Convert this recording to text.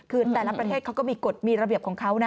คือแต่ละประเทศเขาก็มีกฎมีระเบียบของเขานะ